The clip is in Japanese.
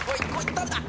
誰だ！？